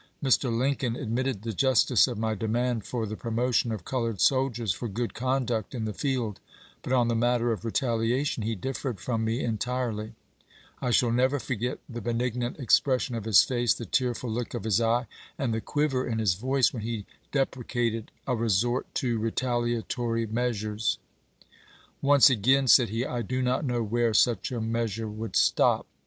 Mr. Lincoln admitted the justice of my demand for the promotion of colored soldiers for good conduct in the field, but on the matter of retaliation he differed from me entirel3\ I shall never forget the benignant expression of his face, the tearful look of his eye, and the quiver in his voice when he deprecated a resort to retaliatory measures. " Once begun," said he, " I do not know where such a measure would stop."